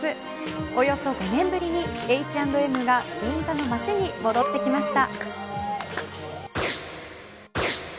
およそ５年ぶりにＨ＆Ｍが銀座の街に戻ってきました。